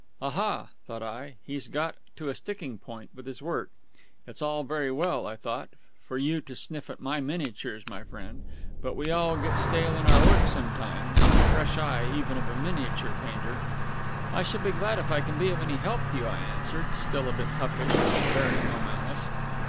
"Aha!" thought I, "he's got to a sticking point with his work! It's all very well," I thought, "for you to sniff at my miniatures, my friend, but we all get stale on our work sometimes, and the fresh eye, even of a miniature painter ..." "I shall be glad if I can be of any help to you," I answered, still a bit huffish, but bearing no malice.